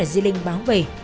ở di linh báo về